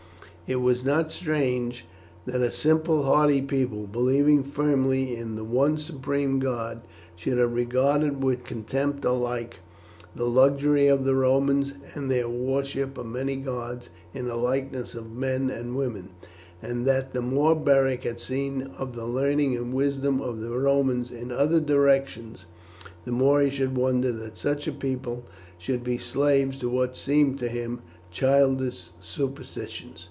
It was not strange that a simple hardy people, believing firmly in the one supreme god, should have regarded with contempt alike the luxury of the Romans and their worship of many gods in the likenesses of men and women, and that the more Beric had seen of the learning and wisdom of the Romans in other directions, the more he should wonder that such a people should be slaves to what seemed to him childish superstitions.